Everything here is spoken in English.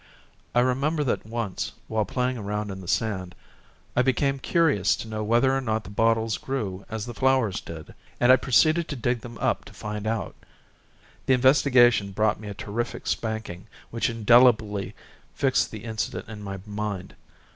I remember that once, while playing around in the sand, I became curious to know whether or not the bottles grew as the flowers did, and I proceeded to dig them up to find out; the investigation brought me a terrific spanking, which indelibly fixed the incident in my mind.